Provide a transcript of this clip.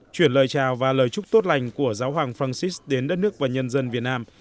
chuyển lời chào và lời chúc tốt lành của giáo hoàng francis đến đất nước và nhân dân việt nam